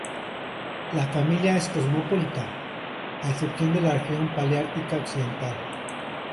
La familia es cosmopolita, a excepción de la Región Paleártica occidental.